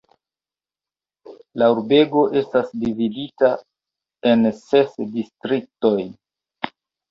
La urbego estas dividita en ses distriktojn.